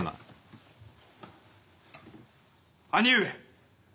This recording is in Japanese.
兄上！